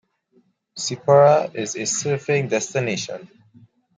Sipora is a surfing destination.